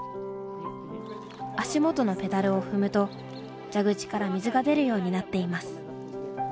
足元のペダルを踏むと蛇口から水が出るようになっています。